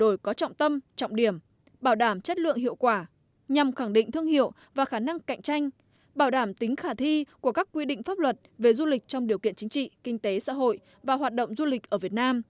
đổi có trọng tâm trọng điểm bảo đảm chất lượng hiệu quả nhằm khẳng định thương hiệu và khả năng cạnh tranh bảo đảm tính khả thi của các quy định pháp luật về du lịch trong điều kiện chính trị kinh tế xã hội và hoạt động du lịch ở việt nam